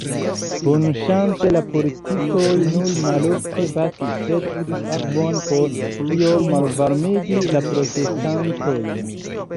Bonŝance la policistoj nur malofte batis, sed uzis akvon, por iom malvarmigi la protestantojn.